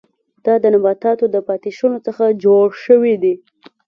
دا د نباتاتو د پاتې شونو څخه جوړ شوي دي.